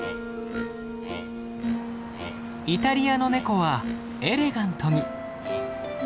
イタリアのネコはエレガントに。